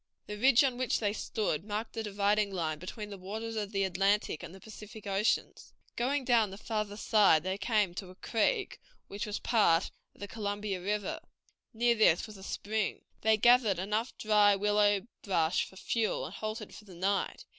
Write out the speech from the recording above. The ridge on which they stood marked the dividing line between the waters of the Atlantic and the Pacific Oceans. Going down the farther side they came to a creek, which was part of the Columbia River; near this was a spring. They gathered enough dry willow brush for fuel, and halted for the night.